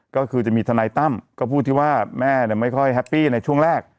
ก็คือจะมีทนายตั้มก็พูดที่ว่าแม่ไม่ค่อยแฮปปี้ในช่วงแรก